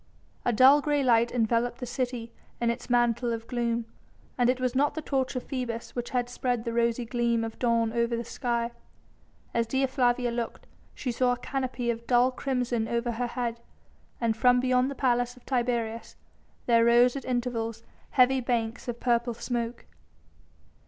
A dull grey light enveloped the city in its mantle of gloom, and it was not the torch of Phoebus which had spread the rosy gleam of dawn over the sky! As Dea Flavia looked, she saw a canopy of dull crimson over her head, and from beyond the Palace of Tiberius there rose at intervals heavy banks of purple smoke.